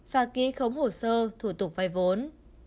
và ký khống hồ sơ thủ tục vay vốn